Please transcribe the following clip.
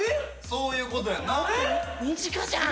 そういうことやんな。